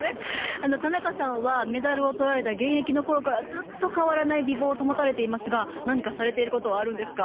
田中さんはメダルを取られた現役の頃からずっと変わらない美貌を保たれていますが何かされていることはあるんですか？